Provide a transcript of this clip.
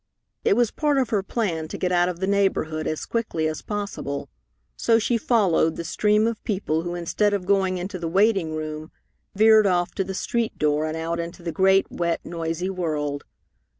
It was part of her plan to get out of the neighborhood as quickly as possible, so she followed the stream of people who instead of going into the waiting room veered off to the street door and out into the great, wet, noisy world.